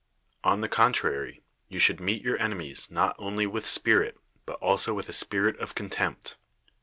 On the contrary, you should meet your enemies, not only with spirit, ])ut also with a spirit of con tempt.